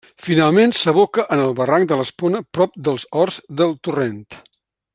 Finalment, s'aboca en el barranc de l'Espona prop dels Horts del Torrent.